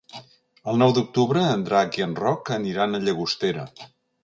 El nou d'octubre en Drac i en Roc aniran a Llagostera.